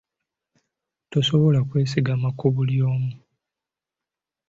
Tosobola kwesigama ku buli omu.